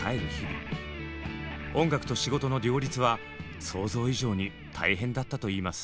音楽と仕事の両立は想像以上に大変だったといいます。